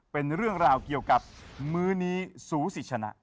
เป็นเรื่องราวเกี่ยวกับมื้อนี้สูสิชนะ